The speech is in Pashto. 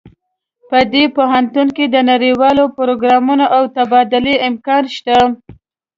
په دې پوهنتون کې د نړیوالو پروګرامونو او تبادلو امکان شته